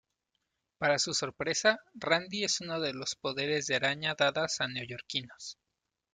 Para su sorpresa, Randy es uno de los poderes de araña dadas a neoyorquinos.